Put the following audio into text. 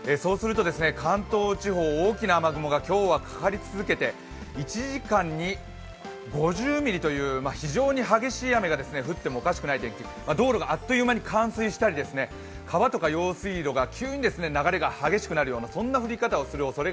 関東地方、大きな雨雲が今日はかかり続けて、１時間に５０ミリという非常に激しい雨が降ってもおかしくない天気道路があっという間に冠水したり川とか用水路が急に流れが激しくなるような降り方をします。